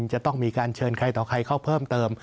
จะต้องมีการเชิญใครต่อใครเข้าเพิ่มเติม